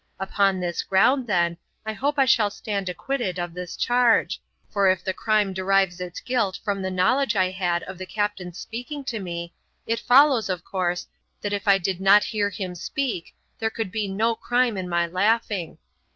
Upon this ground, then, I hope I shall stand acquitted of this charge, for if the crime derives its guilt from the knowledge I had of the captain's speaking to me, it follows, of course, that if I did not hear him speak, there could be no crime in my laughing.